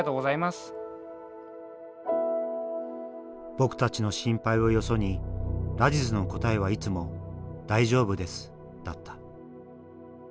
僕たちの心配をよそにラジズの答えはいつも「大丈夫です」だった。